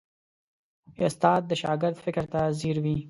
استاد د شاګرد فکر ته ځیر وي.